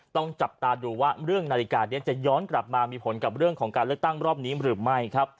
ต้องจับตาดูว่าเรื่องนาฬิกานี้จะย้อนกลับมามีผลกับเรื่องของการเลือกตั้งรอบนี้หรือไม่ครับ